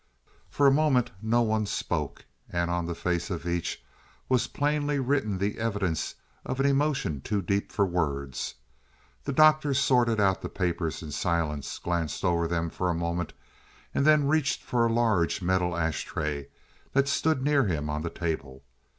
For a moment no one spoke, and on the face of each was plainly written the evidence of an emotion too deep for words. The Doctor sorted out the papers in silence, glanced over them for a moment, and then reached for a large metal ash tray that stood near him on the table.